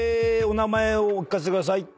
お名前をお聞かせください。